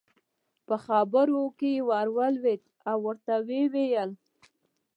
په خبرو کې ور ولوېد او ورته ویې وویل.